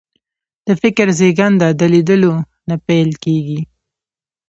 د فکر زېږنده د لیدلو نه پیل کېږي